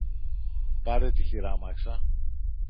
Πάρε τη χειράμαξα